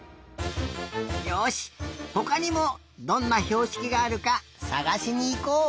よしほかにもどんなひょうしきがあるかさがしにいこう！